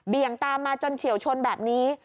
ยงตามมาจนเฉียวชนแบบนี้